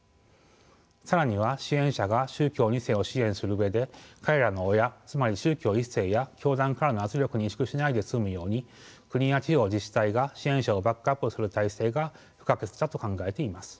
更には支援者が宗教２世を支援する上で彼らの親つまり宗教１世や教団からの圧力に萎縮しないで済むように国や地方自治体が支援者をバックアップする体制が不可欠だと考えています。